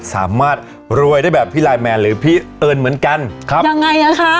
สามารถรวยได้แบบพี่ไลน์แมนหรือพี่เอิญเหมือนกันครับยังไงอ่ะคะ